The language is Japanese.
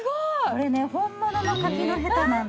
これね本物の柿のヘタなんですよ。